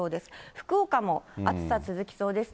福岡も暑さ続きそうですね。